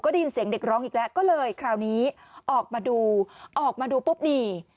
ได้ยินเสียงเด็กร้องอีกแล้วก็เลยคราวนี้ออกมาดูออกมาดูปุ๊บนี่